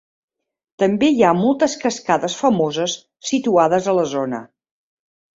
També hi ha moltes cascades famoses situades a la zona.